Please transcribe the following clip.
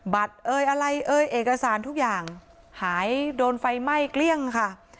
เอ่ยอะไรเอ่ยเอกสารทุกอย่างหายโดนไฟไหม้เกลี้ยงค่ะ